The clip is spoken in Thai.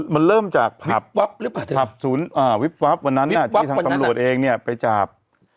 มันเริ่มจากผับวิบวับวันนั้นที่ทางกำโลกเองไปจับ